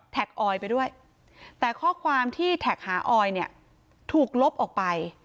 ออยไปด้วยแต่ข้อความที่แท็กหาออยเนี่ยถูกลบออกไป